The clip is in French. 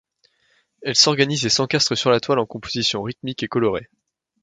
Elles s'organisent et s'encastrent sur la toile en composition rythmique et colorée.